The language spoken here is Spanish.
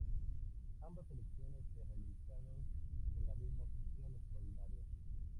Ambas elecciones se realizaron en la misma sesión extraordinaria.